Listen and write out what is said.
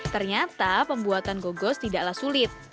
ternyata pembuatan gogos tidaklah sulit